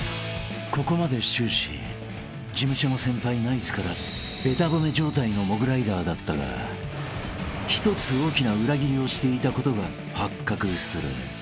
［ここまで終始事務所の先輩ナイツからべた褒め状態のモグライダーだったが１つ大きな裏切りをしていたことが発覚する］